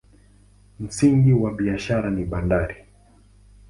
Msingi wa biashara ni bandari.